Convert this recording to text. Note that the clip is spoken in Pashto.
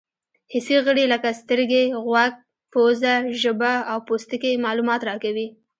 حسي غړي لکه سترګې، غوږ، پزه، ژبه او پوستکی معلومات راکوي.